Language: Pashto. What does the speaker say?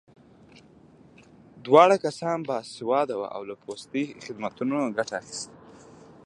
دواړه کسان باسواده وو او له پوستي خدمتونو ګټه اخیست